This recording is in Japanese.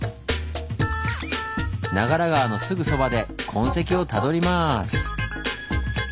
長良川のすぐそばで痕跡をたどります！